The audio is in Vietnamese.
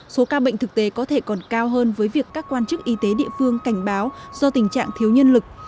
số ca bệnh thực tế có thể còn cao hơn với việc các quan chức y tế địa phương cảnh báo do tình trạng thiếu nhân lực